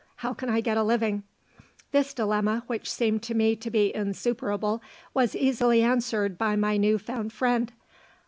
How can I get a living?" This dilemma, which seemed to me to be insuperable, was easily answered by my new found friend.